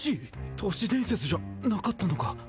都市伝説じゃなかったのか・